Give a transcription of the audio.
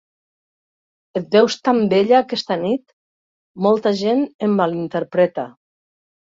Et veus tan bella aquesta nit... Molta gent em malinterpreta